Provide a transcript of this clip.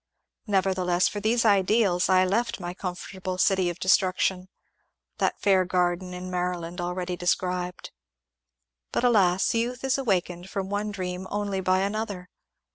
Nevertheless for these ideals I left my comfortable City of Destruction," — that fair garden in Maryland al ready described But alas, youth is awakened from one dream only by an other.